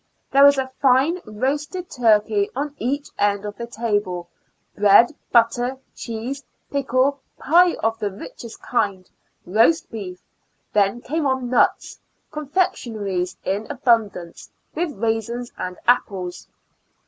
There was a fine roasted turkey on each end of the table, bread, butter, cheese, pickle, pie of the richest kind, roast beef ; then came on nuts, confectioneries in abund ance, with raisins and apples.